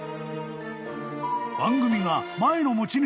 ［番組が］